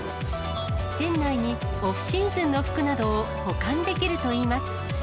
店内にオフシーズンの服などを保管できるといいます。